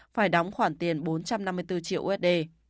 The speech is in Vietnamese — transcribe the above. phải đóng khoản tiền bốn trăm năm mươi bốn triệu usd